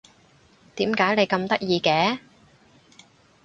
點解你咁得意嘅？